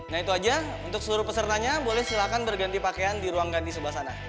nah itu aja untuk seluruh pesertanya boleh silakan berganti pakaian di ruang ganti sebelah sana